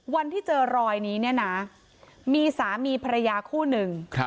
วันที่เจอรอยนี้เนี่ยนะมีสามีภรรยาคู่หนึ่ง